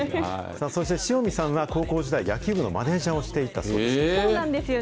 そして塩見さんは高校時代、野球部のマネージャーをしていたそうなんですよね。